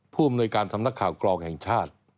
ผู้อำนวยการสำนักข่าวกรองแห่งชาติ